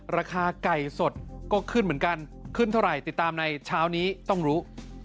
ราคาไก่สดก็ขึ้นเหมือนกันขึ้นเท่าไหร่ติดตามในเช้านี้ต้องรู้